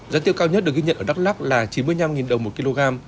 giá tiêu cao nhất được ghi nhận ở đắk lắc là chín mươi năm đồng một kg